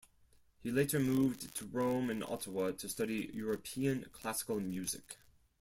He later moved to Rome and Ottawa to study European classical music.